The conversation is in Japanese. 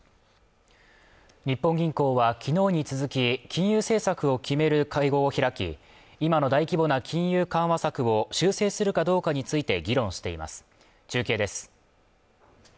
日本銀行はきのうに続き金融政策を決める会合を開き今の大規模な金融緩和策を修正するかどうかについて議論しています中継です